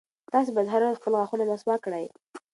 تاسي باید هره ورځ خپل غاښونه مسواک کړئ.